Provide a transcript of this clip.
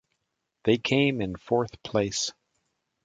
They came in fourth place.